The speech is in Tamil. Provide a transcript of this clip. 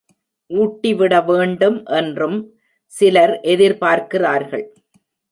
ஊட்டி விடவேண்டும் என்றும் சிலர் எதிர்பார்க்கிறார்கள்.